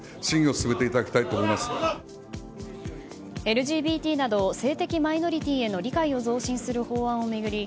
ＬＧＢＴなど性的マイノリティーへの理解を増進する法案を巡り